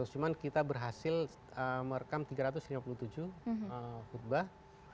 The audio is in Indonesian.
cuma kita berhasil merekam tiga ratus lima puluh tujuh khutbah